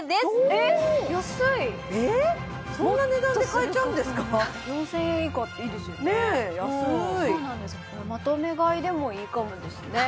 ねっ安いまとめ買いでもいいかもですね